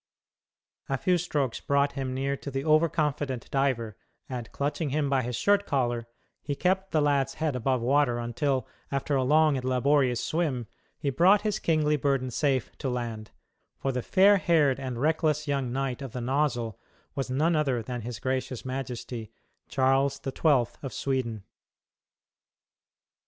A few strokes brought him near to the over confident diver, and clutching him by his shirt collar, he kept the lad's head above water until, after a long and laborious swim, he brought his kingly burden safe to land for the fair haired and reckless young knight of the nozzle was none other than his gracious majesty, Charles the Twelfth of Sweden.